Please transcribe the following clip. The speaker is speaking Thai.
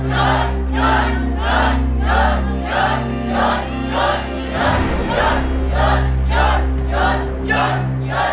หยุดหยุดหยุดหยุด